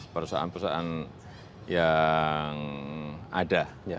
perusahaan perusahaan yang ada